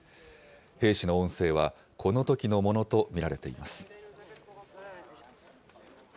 兵士の音声は、このときのものと見られています。